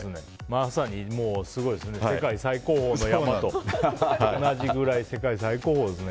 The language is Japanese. まさに世界最高峰の山と同じくらい世界最高峰ですね。